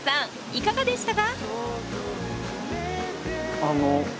いかがでしたか？